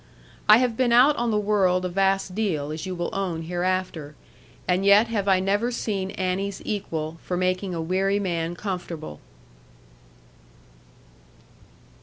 I have been out on the world a vast deal as you will own hereafter, and yet have I never seen Annie's equal for making a weary man comfortable.